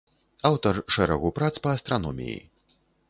Аўтар шэрагу прац па астраноміі.